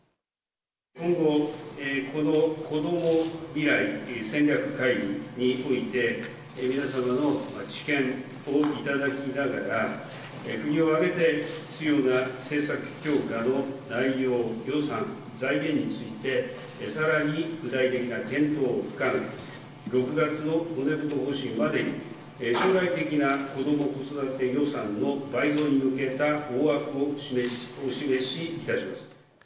このこども未来戦略会議において、皆様の知見を頂きながら、国を挙げて必要な政策強化の内容、予算、財源について、さらに具体的な検討を深め、６月の骨太方針までに、将来的な子ども子育て予算の倍増に向けた大枠をお示しいたします。